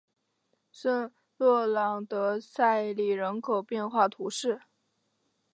圣洛朗德塞里人口变化图示